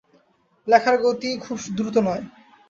লেখার গতি খুব দ্রুত নয়।